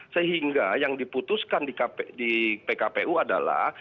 sehingga yang diputuskan di pkpu adalah